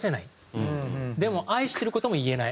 「でも愛してる事も言えない」。